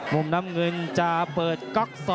มุมน้ำเงินจะเปิดก๊อก๒